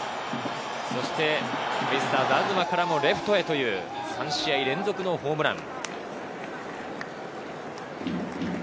そして、ベイスターズ・東からもレフトへという３試合連続のホームラン。